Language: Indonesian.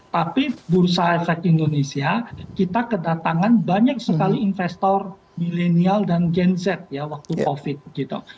tapi bursa efek indonesia kita kedatangan banyak sekali investor milenial dan gen z ya waktu covid gitu